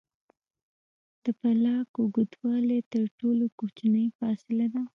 د پلانک اوږدوالی تر ټولو کوچنۍ فاصلې ده.